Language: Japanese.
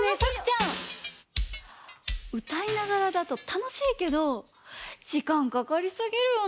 うたいながらだとたのしいけどじかんかかりすぎるよね。